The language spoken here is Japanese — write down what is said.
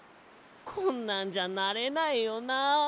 こんなんじゃなれないよな。